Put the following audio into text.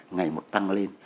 ngày một tăng lên